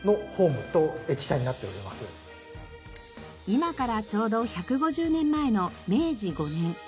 今からちょうど１５０年前の明治５年。